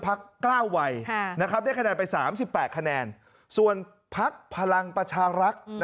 พักเกล้าวัยได้คะแนนไป๓๘คะแนนส่วนพักพลังประชารักษ์